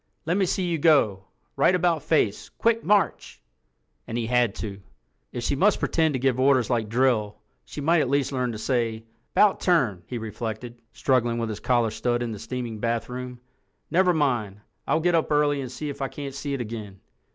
"Let me see you go. Right about face—quick march!" And he had to. "If she must pretend to give orders like drill, she might at least learn to say ''Bout turn!'" he reflected, struggling with his collar stud in the steaming bathroom. "Never mind. I'll get up early and see if I can't see it again."